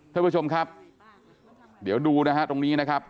ท่านผู้ชมครับเดี๋ยวดูนะฮะตรงนี้นะครับ